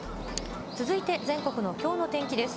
続いて、全国のきょうの天気です。